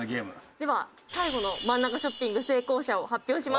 では最後の真ん中ショッピング成功者を発表します。